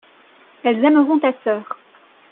elles aimeront ta sœur.